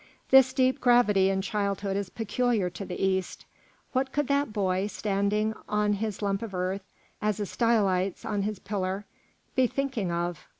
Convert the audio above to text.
This deep gravity in childhood is peculiar to the East. What could that boy, standing on his lump of earth as a Stylites on his pillar, be thinking of?